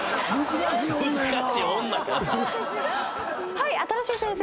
はい新しい先生。